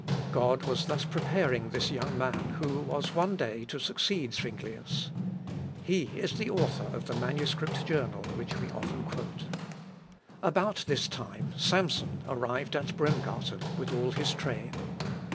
" God was thus preparing this young man who was one day to succeed Zuinglius. He is the author of the manuscript journal which we often quote. Bulling. Ep. Franz's Merkw. Zuge, p. 19. About this time Samson arrived at Bremgarten with all his train.